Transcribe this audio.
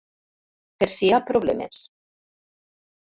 Per si hi ha problemes.